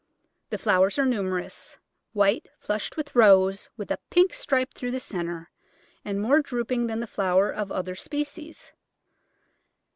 The flow ers are numerous — white flushed with rose with a pink stripe through the centre, and more drooping than the flower in other species.